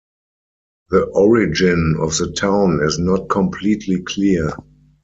The origin of the town is not completely clear.